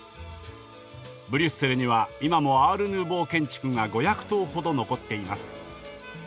ブリュッセルには今もアール・ヌーボー建築が５００棟ほど残っています。